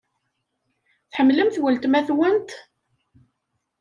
Tḥemmlemt weltma-twent?